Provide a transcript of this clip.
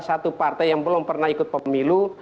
satu partai yang belum pernah ikut pemilu